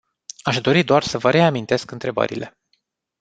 Aș dori doar să vă reamintesc întrebările.